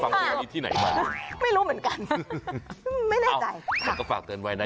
เหมือนกันค่ะครับไม่รู้เหมือนกันไม่ได้ใจค่ะฝากเตือนไว้นะ